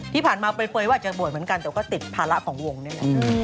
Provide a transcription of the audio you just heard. ที่ผ่านมาเปลยว่าอาจจะบวชเหมือนกันแต่ก็ติดภาระของวงนี่แหละ